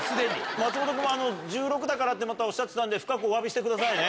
松本君は１６だからってまたおっしゃってたんで、深くおわびしてくださいね。